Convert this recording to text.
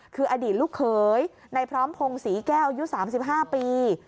คืออดีตลูกเขยในพร้อมพงศรีแก้วอายุ๓๕ปี